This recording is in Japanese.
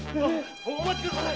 お待ちください。